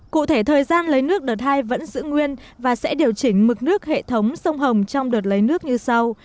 cụ thể thời gian lấy nước đợt hai vẫn giữ nguyên và sẽ điều chỉnh mực nước hệ thống sông hồng trong đợt lấy nước như sau